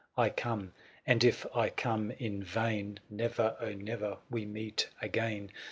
" I come — and if I come in vain, " Never, oh never, we meet again!